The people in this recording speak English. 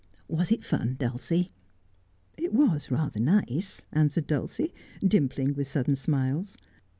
Was it fun, Dulcie 1 '' It was rather nice,' answered Dulcie, dimpling with sudden smiles.